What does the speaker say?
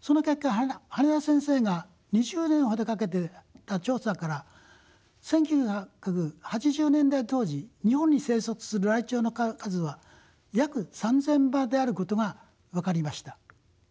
その結果羽田先生が２０年ほどかけた調査から１９８０年代当時日本に生息するライチョウの数は約３，０００羽であることが分かりました。